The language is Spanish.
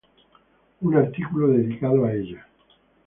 Un artículo dedicado a ella.